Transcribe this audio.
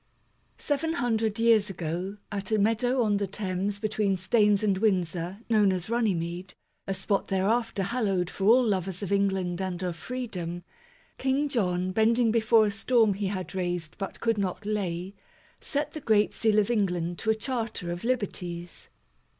SEVEN hundred years ago, at a meadow on the Thames between Staines and Windsor, known as Runnymede, a spot thereafter hallowed for all lovers of England and of freedom, King John, bending before a storm he had raised but could not lay, set the great seal of England to a Charter of Liberties.